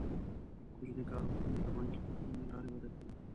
کوچني کاروبارونه د بانکي پورونو له لارې وده کوي.